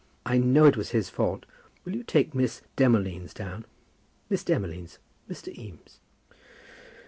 I know it was his fault. Will you take Miss Demolines down? Miss Demolines, Mr. Eames."